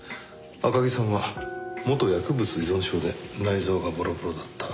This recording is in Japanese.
赤城さんは元薬物依存症で内臓がボロボロだった。